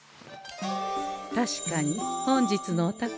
確かに本日のお宝